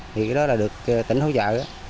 thì đó là được tỉnh hỗ trợ